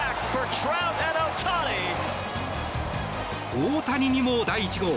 大谷にも第１号。